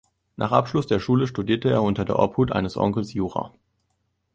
Nach Abschluss der Schule studierte er unter der Obhut eines Onkels Jura.